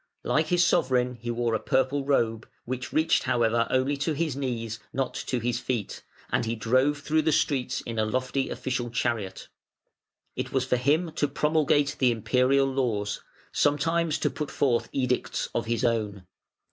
Like his sovereign he wore a purple robe (which reached however only to his knees, not to his feet), and he drove through the streets in a lofty official chariot. It was for him to promulgate the Imperial laws, sometimes to put forth edicts of his own.